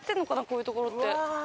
こういうところって。